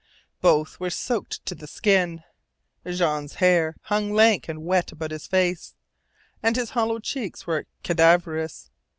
Both were soaked to the skin. Jean's hair hung lank and wet about his face, and his hollow cheeks were cadaverous.